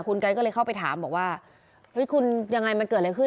คุณไก๊ก็เลยเข้าไปถามบอกว่าเฮ้ยคุณยังไงมันเกิดอะไรขึ้น